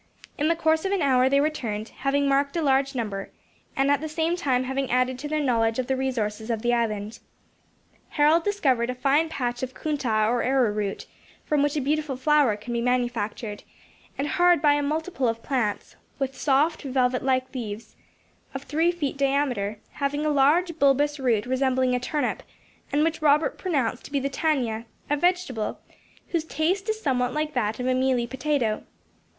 In the course of an hour they returned, having marked a large number, and at the same time having added to their knowledge of the resources of the island. Harold discovered a fine patch of Coontah or arrowroot, from which a beautiful flour can be manufactured; and hard by a multitude of plants, with soft velvet like leaves, of three feet diameter, having a large bulbous root resembling a turnip, and which Robert pronounced to be the tanyah, a vegetable whose taste is somewhat like that of a mealy potato.